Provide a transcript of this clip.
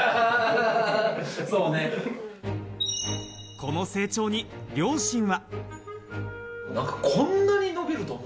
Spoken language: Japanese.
この成長に両親は。